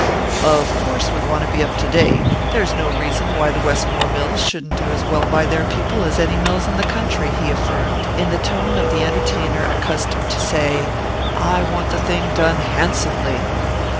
"Of course we want to be up to date there's no reason why the Westmore mills shouldn't do as well by their people as any mills in the country," he affirmed, in the tone of the entertainer accustomed to say: "I want the thing done handsomely."